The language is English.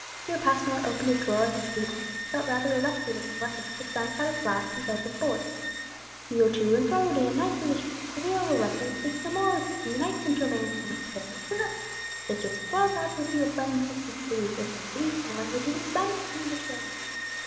Here Passmore opened a drawer in his table, and took out rather a rusty looking weapon, with gunpowder flask, and bag of bullets. "You go to and fro day and night through these streets of Seville, where ruffians think no more of sticking a knife into a man than of paring a turnip; it's just as well to have with you a friend who can speak for you, if need be, in a language even Spaniards can understand.